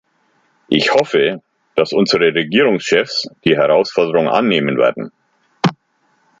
Ich hoffe, dass unsere Regierungschefs die Herausforderung annehmen werden.